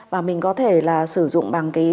và mình có thể là sử dụng bằng cái